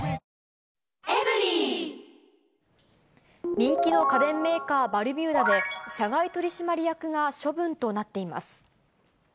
人気の家電メーカー、バルミューダで、社外取締役が処分となっています。